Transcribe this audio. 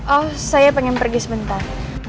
oh saya pengen pergi sebentar